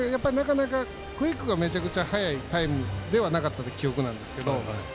なかなかクイックがめちゃくちゃ速かった記憶なんですけど。